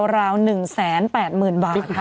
ราวหนึ่งแสนแปดหมื่นบาทค่ะ